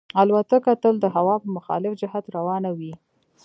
الوتکه تل د هوا په مخالف جهت روانه وي.